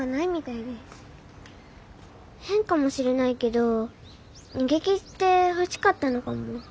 変かもしれないけど逃げきってほしかったのかも。